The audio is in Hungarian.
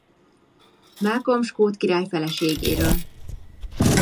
Malcolm skót király feleségéről.